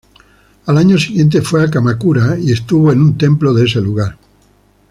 Al año siguiente fue a Kamakura y estuvo en un templo de ese lugar.